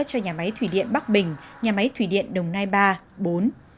cho nhà máy thủy điện bắc bình nhà máy thủy điện đồng nai ba bốn